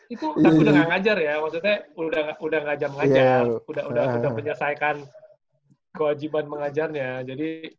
iya beneran itu udah gak ngajar ya maksudnya udah ngajar mengajar udah penyelesaikan kewajiban mengajarnya jadi